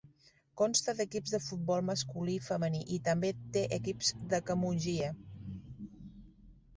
Consta d'equips de futbol masculí i femení i també té equips de camogie.